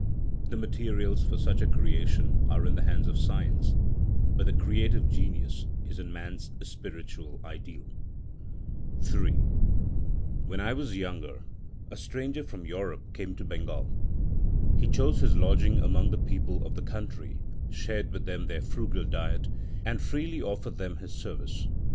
The materials for such a creation are in the hands of science; but the creative genius is in Man's spiritual ideal. III When I was young a stranger from Europe came to Bengal. He chose his lodging among the people of the country, shared with them their frugal diet, and freely offered them his service.